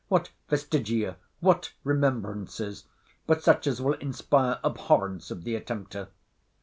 What vestigia, what remembrances, but such as will inspire abhorrence of the attempter?